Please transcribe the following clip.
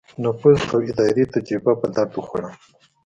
نفوذ او اداري تجربه په درد وخوړه.